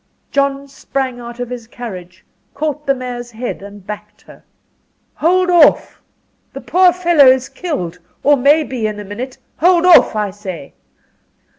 John sprang out of his carriage, caught the mare's head, and backed her. "Hold off! the poor fellow is killed, or may be in a minute. Hold off, I say."